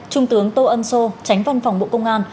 trung tướng tô ân sô tránh văn phòng bộ công an